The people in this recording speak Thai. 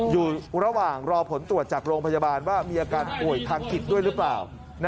อยู่ระหว่างรอผลตรวจจากโรงพยาบาลว่ามีอาการป่วยทางจิตด้วยหรือเปล่า